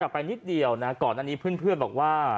ไปนิดเดียวนะก่อนอันนี้เพื่อนบอกว่า